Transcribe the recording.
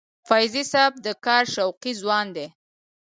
فیضي صاحب د کار شوقي ځوان دی.